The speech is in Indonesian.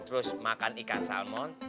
terus makan ikan salmon